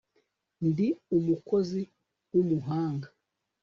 ndi umukozi wumuhanga